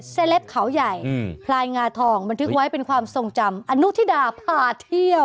เล็ปเขาใหญ่พลายงาทองบันทึกไว้เป็นความทรงจำอนุทิดาพาเที่ยว